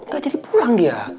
gak jadi pulang dia